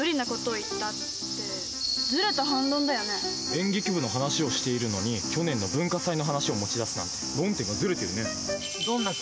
演劇部の話をしているのに去年の文化祭の話を持ち出すなんて論点がずれてるね。